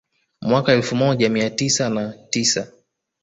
Mwaka elfu moja mia tisa na tisa